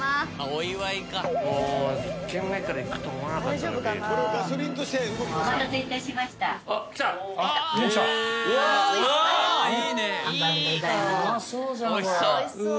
おいしそう。